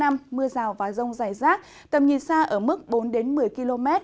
mưa rào và rông dài rác tầm nhìn xa ở mức bốn đến một mươi km